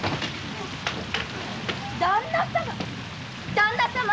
⁉旦那様！